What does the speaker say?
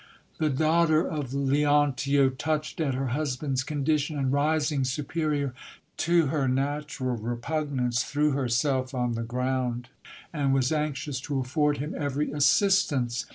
The daughter of Leontio, touched at her husband's condition, and rising su perior to her natural repugnance, threw herself on the ground, and was anxious to afford him every assistance.